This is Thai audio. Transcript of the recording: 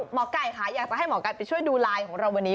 หมอไก่ค่ะอยากจะให้หมอไก่ไปช่วยดูไลน์ของเราวันนี้